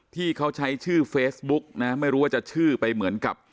ที่เขาใช้ชื่อเฟซบุ๊กนะไม่รู้ว่าจะชื่อไปเหมือนกับ